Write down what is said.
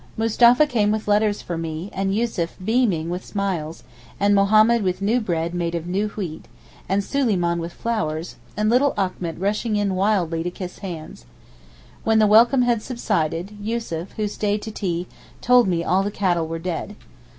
Mustapha came with letters for me, and Yussuf beaming with smiles, and Mahommed with new bread made of new wheat, and Suleyman with flowers, and little Achmet rushing in wildly to kiss hands. When the welcome had subsided, Yussuf, who stayed to tea, told me all the cattle were dead.